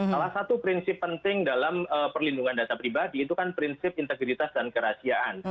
salah satu prinsip penting dalam perlindungan data pribadi itu kan prinsip integritas dan kerahasiaan